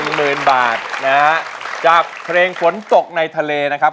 หมื่นบาทนะฮะจากเพลงฝนตกในทะเลนะครับ